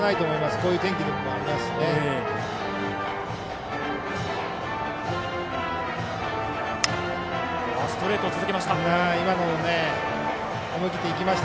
こういう天気もありますし。